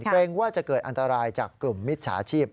เกรงว่าจะเกิดอันตรายจากกลุ่มมิจฉาชีพ